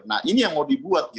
nah ini yang mau dibuat